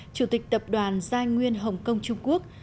chủ tịch tập đoàn giai nguyên hồng kông trung quốc